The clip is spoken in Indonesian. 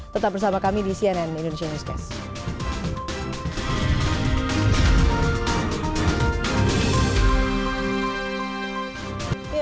tetap bersama kami di cnn indonesia newscast